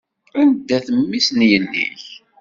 Anda-t mmi-s n yelli-k?